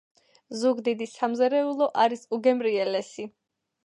ზუგდიდის სამზარეულო არის უგემრიელესი...